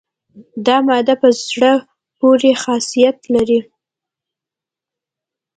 دا ماده په زړه پورې خاصیت لري.